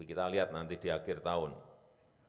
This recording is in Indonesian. jangan tercapai tercapai nanti kalau enggak tercapai mohon maaf